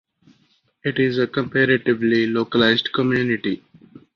It is a comparatively localised community.